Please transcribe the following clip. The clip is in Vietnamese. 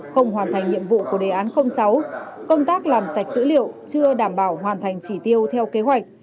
không hoàn thành nhiệm vụ của đề án sáu công tác làm sạch dữ liệu chưa đảm bảo hoàn thành chỉ tiêu theo kế hoạch